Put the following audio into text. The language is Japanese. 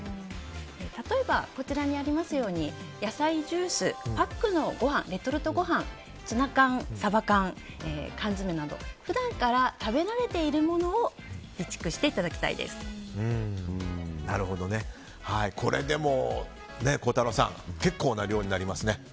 例えば、こちらにありますように野菜ジュースパックのレトルトごはんツナ缶、サバ缶缶詰など普段から食べ慣れているものを孝太郎さん、これは結構な量になりますね。